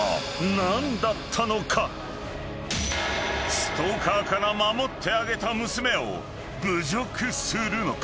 ［ストーカーから守ってあげた娘を侮辱するのか？］